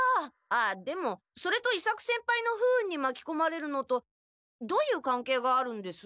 あっでもそれと伊作先輩の不運にまきこまれるのとどういうかんけいがあるんです？